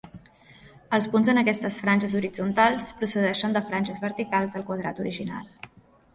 Els punts en aquestes franges horitzontals procedeixen de franges verticals al quadrat original.